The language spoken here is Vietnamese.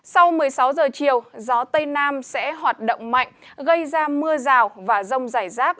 sau một mươi sáu giờ chiều gió tây nam sẽ hoạt động mạnh gây ra mưa rào và rông rải rác